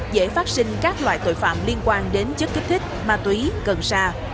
dễ phát sinh các loại tội phạm liên quan đến chất kích thích ma túy cần sa